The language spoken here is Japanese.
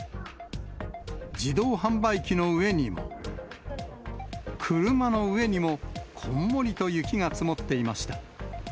自動販売機の上にも、車の上にもこんもりと雪が積もっていました。